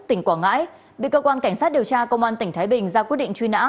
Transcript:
tỉnh quảng ngãi bị cơ quan cảnh sát điều tra công an tỉnh thái bình ra quyết định truy nã